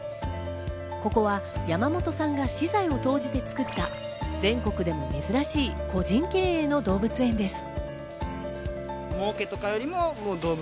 ここは山本さんが私財を投じて作った、全国でも珍しい個人経営の動物園です。